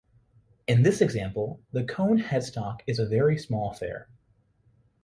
In this example the cone-headstock is a very small affair.